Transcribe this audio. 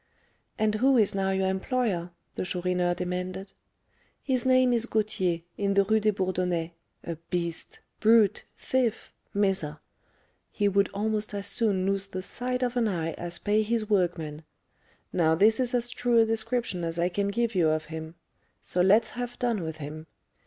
"And who is now your employer?" the Chourineur demanded. "His name is Gauthier, in the Rue des Bourdonnais, a beast brute thief miser! He would almost as soon lose the sight of an eye as pay his workmen. Now this is as true a description as I can give you of him; so let's have done with him.